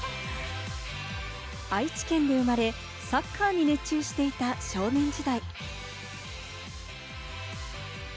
愛知県で生まれ、サッカーに熱中していた少年時代。